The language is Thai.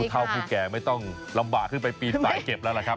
เท่าผู้แก่ไม่ต้องลำบากขึ้นไปปีนสายเก็บแล้วล่ะครับ